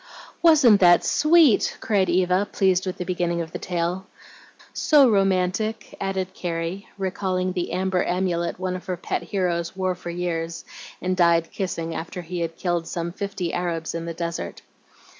"Wasn't that sweet?" cried Eva, pleased with the beginning of the tale. "So romantic!" added Carrie, recalling the "amber amulet" one of her pet heroes wore for years, and died kissing, after he had killed some fifty Arabs in the desert.